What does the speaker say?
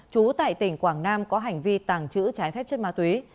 chú tại tỉnh quảng nam có hành vi tàng trữ trái phép chất ma túy